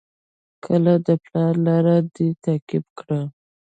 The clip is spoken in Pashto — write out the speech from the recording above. که د پلار لاره دې تعقیب کړه.